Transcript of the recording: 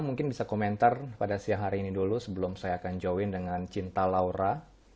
mungkin bisa komentar pada siang hari ini dulu sebelum saya akan join dengan cinta laura